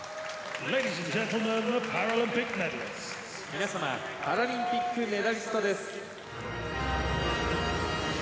皆様パラリンピックメダリストです。